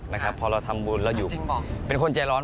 ว่าเขาบอกว่าต้องขัดห้องน้ำทุกวันจันทร์